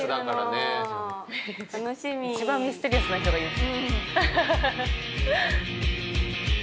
一番ミステリアスな人が言う。